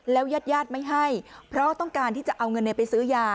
แล้วยาติญาติไม่ให้เพราะต้องการที่จะเอาเงินเลยไปซื้อยา